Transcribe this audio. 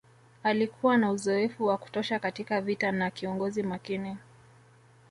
Alikuwa na uzoefu wa kutosha katika vita na kiongozi makini